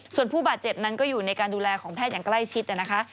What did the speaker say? ส่วนผู้บาดเจ็บนั้นก็อยู่ในการดูแลของแพทย์อย่างใกล้ชิดนะคะ